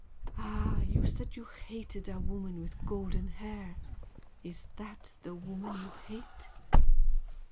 ah! you said you hated a woman with golden hair! Is that the woman you hate?"